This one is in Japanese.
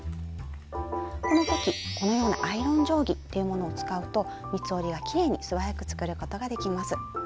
この時このようなアイロン定規というものを使うと三つ折りがきれいに素早く作ることができます。